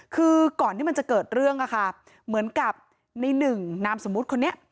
คือก่อนที่มันจะเกิดเรื่องอะค่ะเหมือนกับในหนึ่งนามสมมุติคนนี้